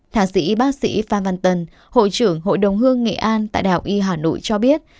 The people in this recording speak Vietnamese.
tháng sĩ bác sĩ phan văn tân hội trưởng hội đồng hương nghệ an tại đạo y hà nội cho biết